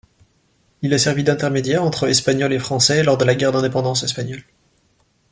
Il a servi d'intermédiaire entre Espagnols et Français lors de la guerre d'indépendance espagnole.